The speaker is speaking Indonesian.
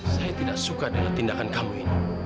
saya tidak suka dengan tindakan kamu ini